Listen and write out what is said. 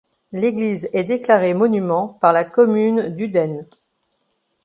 L'église est déclarée monument par la commune d'Uden.